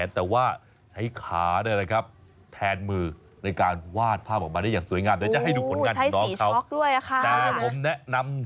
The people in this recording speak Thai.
แต่ผมแนะนำ